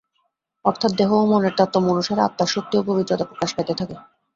অর্থাৎ দেহ ও মনের তারতম্য অনুসারে আত্মার শক্তি ও পবিত্রতা প্রকাশ পাইতে থাকে।